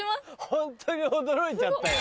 ホントに驚いちゃったよ。